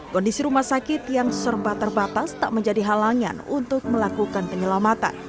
kondisi rumah sakit yang serba terbatas tak menjadi halangan untuk melakukan penyelamatan